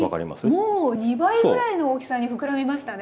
もう２倍ぐらいの大きさに膨らみましたね。